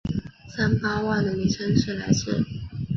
三巴旺的名称是来至。